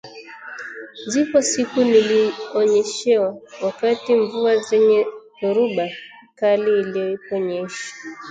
Zipo siku nilinyeshewa wakati mvua yenye dhoruba kali iliponyesha